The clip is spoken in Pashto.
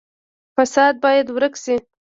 فساد باید ورک شي